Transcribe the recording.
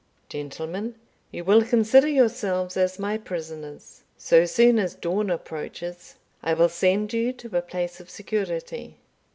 Gentlemen, you will consider yourselves as my prisoners. So soon as dawn approaches, I will send you to a place of security.